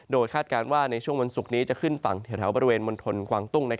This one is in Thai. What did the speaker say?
โดยคาดการณ์ว่าในช่วงวันศุกร์นี้จะขึ้นฝั่งแถวบริเวณมณฑลกวางตุ้ง